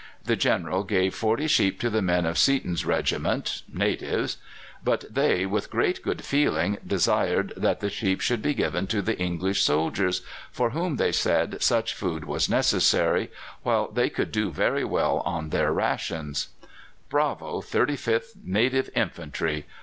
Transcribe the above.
The General gave forty sheep to the men of Seaton's regiment (natives); but they, with great good feeling, desired that the sheep should be given to the English soldiers, for whom, they said, such food was necessary, while they could do very well on their rations. Bravo, 35th Native Infantry!